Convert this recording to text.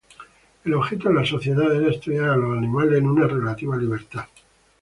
El objeto de la sociedad era estudiar a los animales en una relativa libertad.